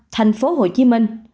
năm thành phố hồ chí minh